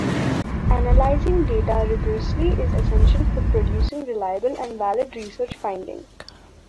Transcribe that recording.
Analyzing data rigorously is essential for producing reliable and valid research findings.